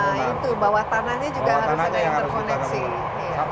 nah itu bawah tanahnya juga harus ada interkoneksi